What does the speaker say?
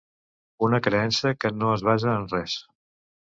Una creença que no es basa en res.